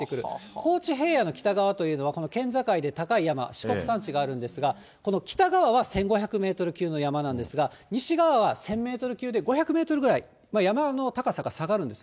高知平野の北側というのは、この県境で高い山、四国山地があるんですが、この北側は１５００メートル級の山なんですが、西側は１０００メートル級で、５００メートルぐらい、山の高さが下がるんです。